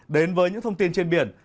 đến với những thông tin trên biển